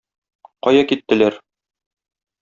Кая киттеләр?